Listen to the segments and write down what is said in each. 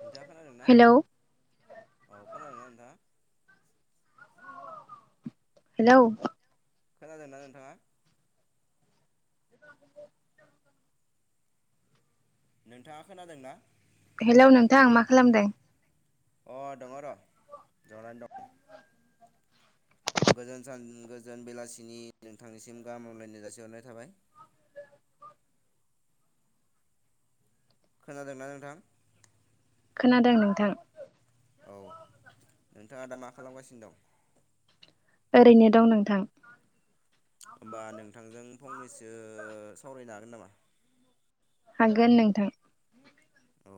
नोंथाङा खोनादोंना हेलौ औ खोनादोंना नोंथाङा। हेलौ खोनादोंना नोंथाङा? [inaudible] नोंथाङा खोनादोंना? हेलौ नोंथां मा खालामदों। अ दङ र' जनानै दं। गोजोन सान गोजोन बेलासिनि नोंथांनिसिम गाहाम हामग्लायनाय जासिहरनाय थाबाय। खोनादोंना नोंथां। खोनादों नोंथां। औ नोंथाङा दा मा खालामगासिनो दं। ओरैनो दं नोंथां। होमबा नोंथांजों फंनैसो सावरायनो हागोन नामा? हागोन नोंथां। औ।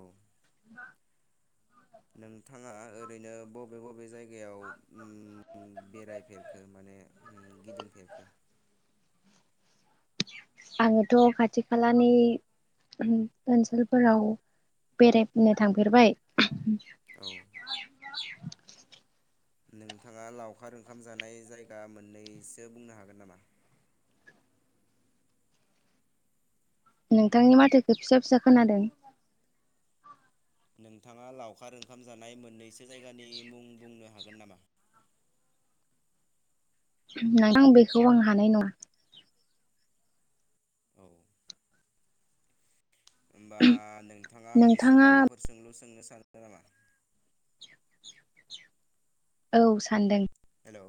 नोंथाङा ओरैनो बबे बबे जायगायाव ओम बेरायफेरखो माने ओम गिदिंफेरखो आङोथ खाथि खालानि ओनसोलफोराव बेरायनो थांफेरबाय औ नोंथाङा लावखार ओंखाम जानाय जायगा मोननैसो बुंनो हागोन नामा? नोंथांनि माथोखो फिसा फिसा खोनादों। नोंथाङा लावखार ओंखाम जानाय मोननैसो जायगानि मुं बुंनो हागोन नामा? नोंथां बेखौ आं हानाय नङा औ ओमबा नोंथाङा आंनिसिम नोंथाङा माबाफोर सोंलु सों नो सान्दों नामा? औ सान्दों हेलौ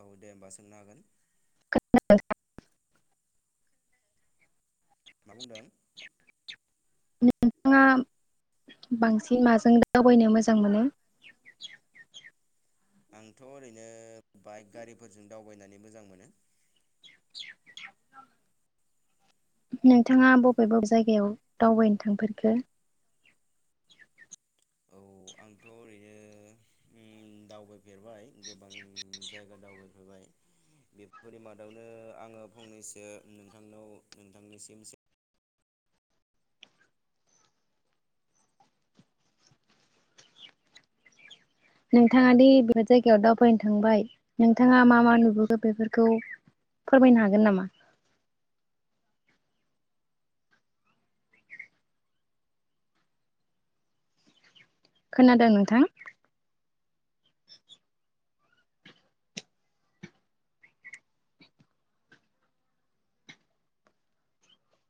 औ दे ओमबा सोंनो हागोन। [inaudible] मा बुंदों नोंथाङा बांसिन माजों दावबायनो मोजां मोनो? आंथ ओरैनो बाइक गारिफोरजों दावबायनानै मोजां मोनो। नोंथाङा बबे बबे जायगायाव दावबायनो थांफेरखो औ आंथ ओरैनो ओम दावबाय फेरबाय गोबां जायगा दावबायफेरबाय बेफोरनि मादावनो आङो फंनैसो नोंथांनाव नोंथांनिसिम सो नोंथाङा दि बेफोर जायगायाव दावबायनो थांबाय नोंथाङा मा मा नुबोखो बेफोरखौ फोरमायनो हागोन नामा? खोनादों नोंथां।